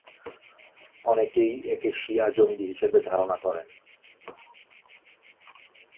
অনেকেই একে শিয়া জঙ্গি হিসেবে ধারণা করেন।